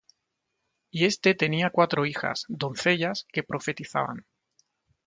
Y éste tenía cuatro hijas, doncellas, que profetizaban.